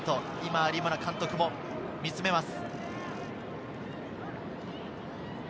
有村監督も見つめます。